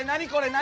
何？